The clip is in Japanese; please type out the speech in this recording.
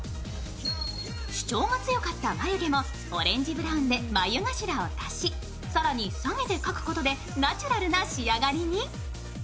主張が強かった眉毛もオレンジブラウンで眉頭を足し更に下げて描くことでナチュラルな仕上がりに。